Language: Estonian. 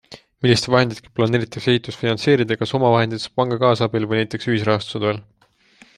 Milliste vahenditega planeeritakse ehitust finantseerida, kas omavahenditest, panga kaasabil või näiteks ühisrahastuse toel?